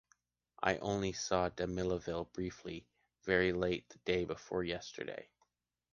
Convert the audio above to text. I only saw Damilaville briefly, very late the day before yesterday.